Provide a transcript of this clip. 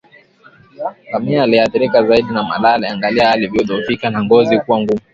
Ngamia aliyeathirika zaidi na malale angalia alivyodhoofika na ngozi kuwa ngumu